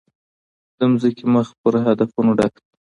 د مځکي مخ په هدفونو ډک دی.